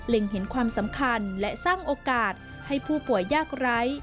เห็นความสำคัญและสร้างโอกาสให้ผู้ป่วยยากไร้